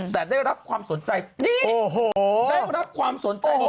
แต่ได้รับความสนใจนี่ได้รับความสนใจ